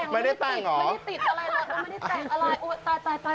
ไม่ได้ติดอะไรตาย